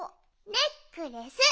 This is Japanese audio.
ネックレス！